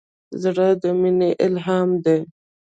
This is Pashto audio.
زړه د مینې الهام دی.